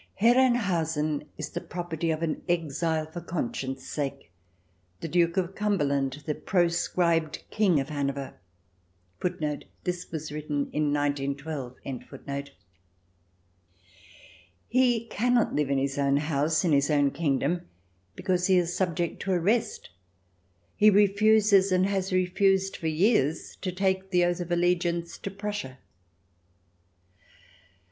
Herrenhausen is the property of an exile for conscience' sake, the Duke of Cumberland, the proscribed King of Hanover.* He cannot live in his own house, in his own kingdom, because he is subject to arrest. He refuses, and has refused for years, to take the oath of allegiance to Prussia.